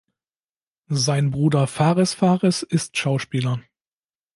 Sein Bruder Fares Fares ist Schauspieler.